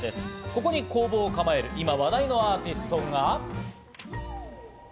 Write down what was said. ここに工房を構える今話題のアーティストが。